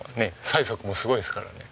催促もすごいですからね。